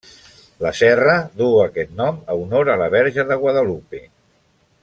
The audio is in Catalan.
La serra duu aquest nom a honor a la verge de Guadalupe.